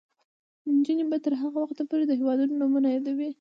نجونې به تر هغه وخته پورې د هیوادونو نومونه یادوي.